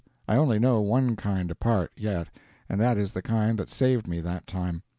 I only know one kind apart, yet, and that is the kind that saved me that time.